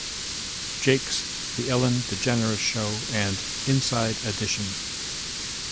Jakes", "The Ellen DeGeneres Show", and "Inside Edition".